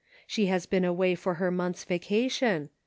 She has been away for her month's vacation.